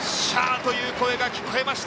という声が聞こえました。